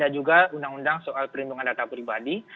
ada juga undang undang soal perlindungan data pribadi